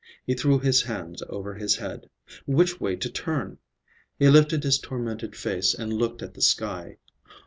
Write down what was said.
He threw his hands over his head. Which way to turn? He lifted his tormented face and looked at the sky.